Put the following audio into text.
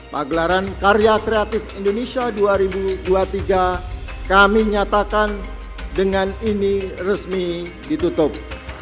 pagelaran karya kreatif indonesia dua ribu dua puluh tiga kami nyatakan dengan ini resmi ditutup